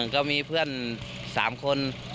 ก็มีเพื่อน๓คน